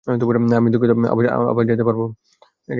আমি দুঃখিত আমরা আবার যেতে পারবো?